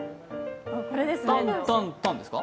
タンタンタンですか？